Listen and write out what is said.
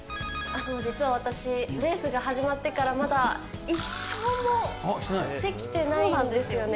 実は私、レースが始まってからまだ１勝もできていないんですよね。